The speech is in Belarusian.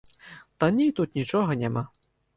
Танней тут нічога няма.